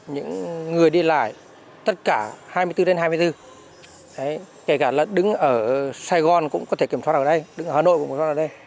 những người đi lại tất cả hai mươi bốn đến hai mươi bốn kể cả là đứng ở sài gòn cũng có thể kiểm soát ở đây đứng ở hà nội cũng có thể kiểm soát ở đây